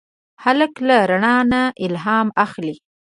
هلک له رڼا نه الهام اخلي.